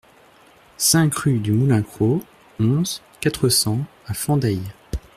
cinq rue du Moulin Cros, onze, quatre cents à Fendeille